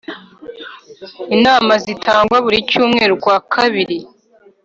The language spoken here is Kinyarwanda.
Inama zitangwa buri cyumweru ku wa kabiri